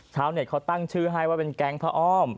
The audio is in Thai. ชาวเน็ตเขาตั้งชื่อให้ว่าเป็นแก๊งพระอ้อม